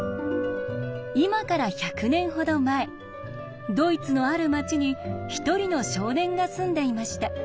今から１００年ほど前ドイツのある街に一人の少年が住んでいました。